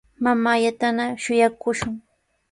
Mamaallatana shuyaakushun.